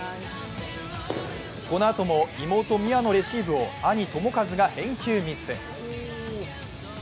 このあとも、妹・美和のレシーブを兄・智和が返球ミス。